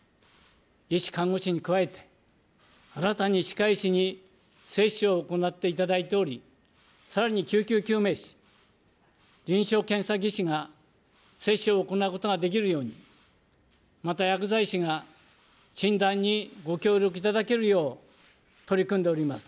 医師、看護師に加えて、新たに歯科医師に接種を行っていただいており、さらに救急救命士、臨床検査技師が接種を行うことができるように、また薬剤師が診断にご協力いただけるよう、取り組んでおります。